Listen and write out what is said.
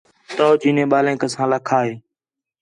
تَو چینے ٻالینک اَساں لَکھا ہِے